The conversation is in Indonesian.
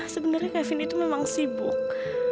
sebenarnya kevin itu memang sibuk